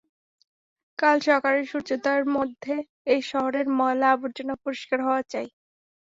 কাল সকালের সুর্যোদয়ের মধ্যে, এই শহরের ময়লা আবর্জনা পরিষ্কার হওয়া চাই।